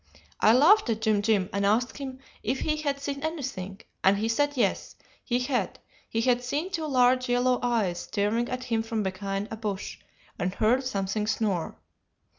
I laughed at Jim Jim, and asked him if he had seen anything, and he said yes, he had; he had seen two large yellow eyes staring at him from behind a bush, and heard something snore.